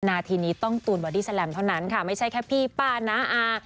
นาทีนี้ต้องตูนบอดี้แลมเท่านั้นค่ะไม่ใช่แค่พี่ป้าน้าอา